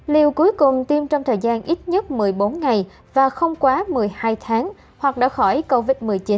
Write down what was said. liều cuối cùng tiêm trong thời gian ít nhất một mươi bốn ngày và không quá một mươi hai tháng hoặc đã khỏi covid một mươi chín